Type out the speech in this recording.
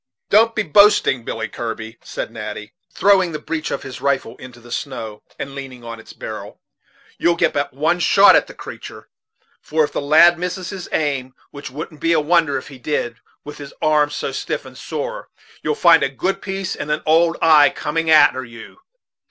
"Don't be boasting, Billy Kirby," said Natty, throwing the breech of his rifle into the snow, and leaning on its barrel; "you'll get but one shot at the creatur', for if the lad misses his aim, which wouldn't be a wonder if he did, with his arm so stiff and sore, you'll find a good piece and an old eye coming a'ter you.